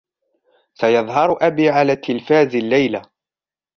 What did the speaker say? سيظهر أبي على التلفاز الليلة.